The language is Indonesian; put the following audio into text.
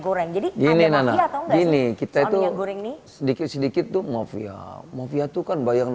goreng jadi ini nanya ini kita itu goreng nih sedikit sedikit tuh mafia mafia tukar bayangan